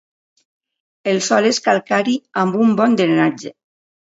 El sòl és calcari amb un bon drenatge.